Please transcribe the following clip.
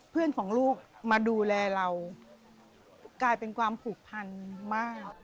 เพื่อนของลูกมาดูแลเรากลายเป็นความผูกพันมาก